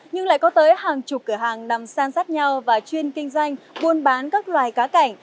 nhưng lại có tới hàng chục cửa hàng nằm san sát nhau và chuyên kinh doanh buôn bán các loài cá cảnh